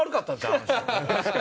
あの人。